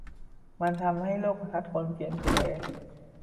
มันทำให้โลกทัศน์คนเปลี่ยนไปเลย